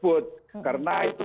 untuk menguji halal haram